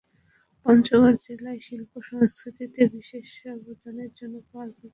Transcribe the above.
পঞ্চগড় জেলায় শিল্প-সংস্কৃতিতে বিশেষ অবদানের জন্য পাঁচ গুণীজনকে সমঞ্চাননা দিয়েছে জেলা শিল্পকলা একাডেমী।